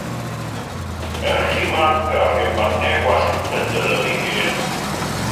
Merch ifanc â rhubanau gwallt yn dylyfu gên.